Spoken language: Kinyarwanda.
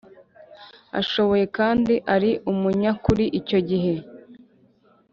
ashoboye kandi ari umunyakuri Icyo gihe